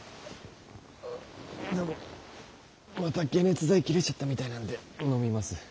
でもまた解熱剤切れちゃったみたいなんでのみます。